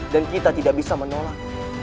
dan kita tidak bisa menolak